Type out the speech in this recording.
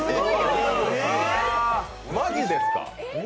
マジですか？